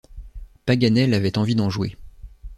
Paganel avait envie d’en jouer.